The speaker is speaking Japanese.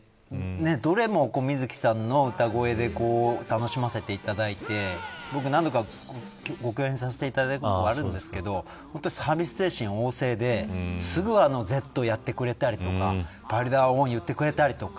どれも、水木さんの歌声で楽しませていただいて僕、何度かお会いさせていただいたことあるんですけどサービス精神旺盛ですぐ、Ｚをやってくれたりとかパイルダーオンを言ってくれたりとか